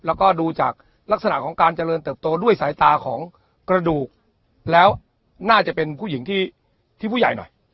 แล้วก็ดูจากลักษณะของการเจริญเติบโตด้วยสายตาของกระดูกแล้วน่าจะเป็นผู้หญิงที่ผู้ใหญ่หน่อย